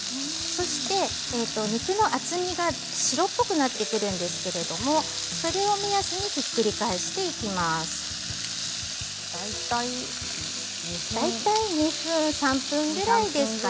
そして肉の厚みが白っぽくなってくるんですけれどそれを目安に大体どれくらいですか？